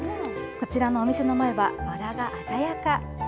こちらのお店の前は、バラが鮮やか。